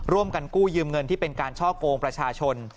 ร่วมกันกู้ยืมเงินที่เป็นการช่อกงประชาชน